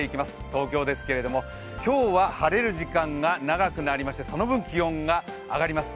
東京ですけれども、今日は晴れる時間が長くなりましてその分、気温が上がります。